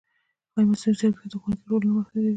ایا مصنوعي ځیرکتیا د ښوونکي رول نه محدودوي؟